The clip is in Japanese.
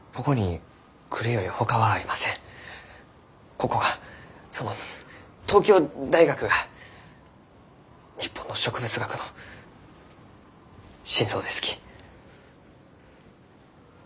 ここがその東京大学が日本の植物学の心臓ですき。